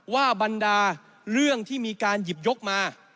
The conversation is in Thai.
บรรดาเรื่องที่มีการหยิบยกมา